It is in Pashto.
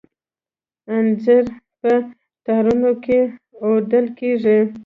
انځر په تارونو کې اوډل کیږي.